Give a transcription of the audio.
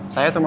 saya atau mama